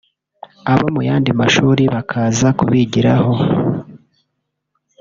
abo mu yandi mashuri bakaza kubigiraho